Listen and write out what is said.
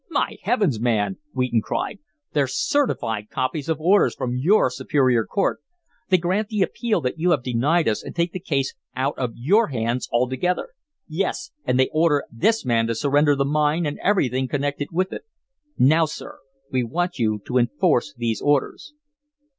"My Heavens, man!" Wheaton cried. "They're certified copies of orders from your superior court. They grant the appeal that you have denied us and take the case out of your hands altogether. Yes and they order this man to surrender the mine and everything connected with it. Now, sir, we want you to enforce these orders."